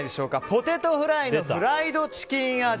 ポテトフライのフライドチキン味。